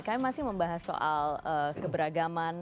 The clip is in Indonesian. kami masih membahas soal keberagaman